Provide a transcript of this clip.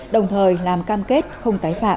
đồng thời làm cam kết không tái phạm